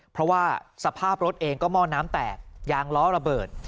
เพราะว่าสภาพรถเองก็หม้อน้ำแตกยางล้อระเบิด